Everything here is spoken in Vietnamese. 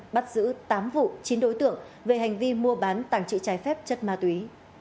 bắt giữ tám vụ chín đối tượng về hành vi mua bán tàng trự trái phép chất ma túy